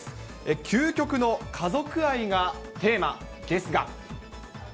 究極の家族愛がテーマですが。